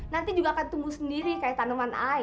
nanti juga akan tunggu sendiri kayak tanaman i